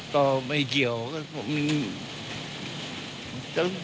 ต่อไม่เกี่ยวก็ผมยัง